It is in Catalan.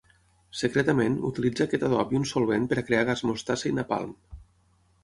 Secretament, utilitza aquest adob i un solvent per crear gas mostassa i napalm.